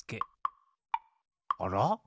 あら？